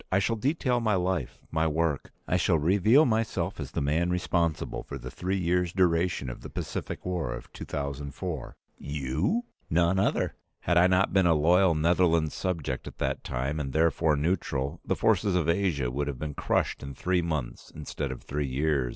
I shall detail my life, my work. I shall reveal myself as the man responsible for the three years' duration of the Pacific War of 2004." "You?" "None other. Had I not been a loyal Netherlands subject at that time, and therefore neutral, the forces of Asia would have been crushed in three months instead of three years.